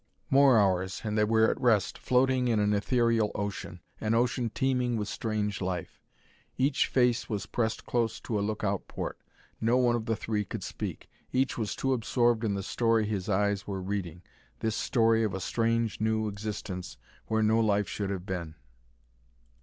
More hours, and they were at rest, floating in an ethereal ocean, an ocean teeming with strange life. Each face was pressed close to a lookout port. No one of the three could speak; each was too absorbed in the story his eyes were reading this story of a strange, new existence where no life should have been.